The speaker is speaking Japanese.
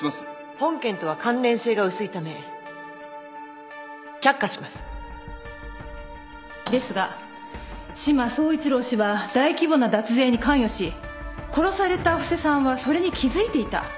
本件とは関連性が薄いため却下しますですが志摩総一郎氏は大規模な脱税に関与し殺された布施さんはそれに気付いていた。